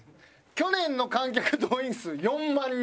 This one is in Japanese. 去年の観客動員数４万人。